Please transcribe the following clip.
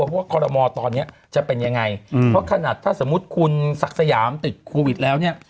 เพราะว่าคอรมอลตอนนี้จะเป็นยังไงเพราะขนาดถ้าสมมุติคุณศักดิ์สยามติดโควิดแล้วเนี่ย